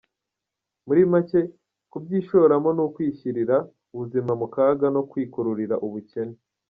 Muri make kubyishoramo ni ukwishyirira ubuzima mu kaga no kwikururira ubukene.